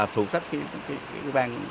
phụ trách cái ban